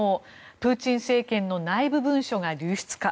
プーチン政権の内部文書が流出か？